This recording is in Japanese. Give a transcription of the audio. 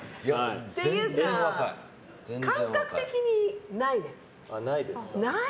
っていうか感覚的にない。